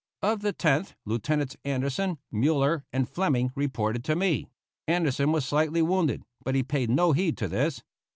Of the Tenth, Lieutenants Anderson, Muller, and Fleming reported to me; Anderson was slightly wounded, but he paid no heed to this.